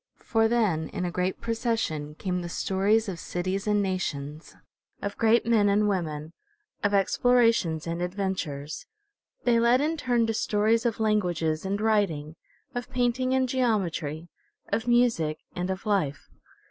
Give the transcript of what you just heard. For then in a great procession came the stories of cities and nations, of great men and women, of explorations and adventures. They led in turn to stories of languages and writing, of painting and geometry, of music and of life.